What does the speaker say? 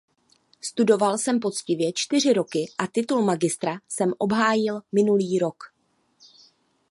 Studoval jsem poctivě čtyři roky a titul magistra jsem obhájil minulý rok.